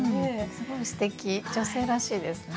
すごいすてき女性らしいですね。